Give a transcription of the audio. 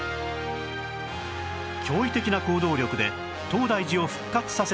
驚異的な行動力で東大寺を復活させた重源